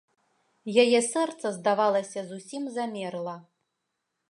Яе сэрца, здавалася, зусім замерла.